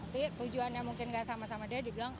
nanti tujuannya mungkin tidak sama sama dia bilang